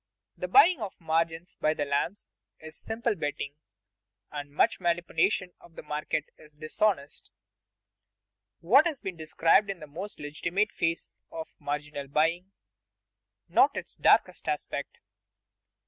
The buying of margins by the "lambs" is simple betting, and much manipulation of the market is dishonest. What has just been described is the more legitimate phase of marginal buying, not its darker aspect.